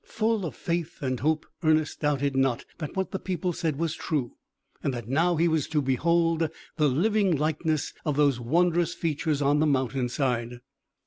Full of faith and hope, Ernest doubted not that what the people said was true, and that now he was to behold the living likeness of those wondrous features on the mountain side.